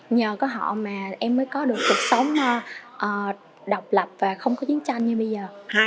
nhờ có họ mà em mới có được cuộc sống độc lập và không có chiến tranh như bây giờ